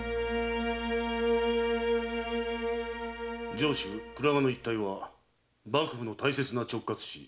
上州倉賀野一帯は幕府の大切な直轄地。